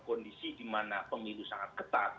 kondisi di mana pemilu sangat ketat